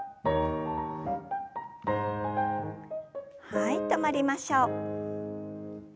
はい止まりましょう。